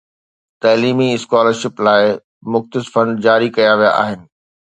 تعليمي scholarship لاءِ مختص فنڊ جاري ڪيا ويا آهن.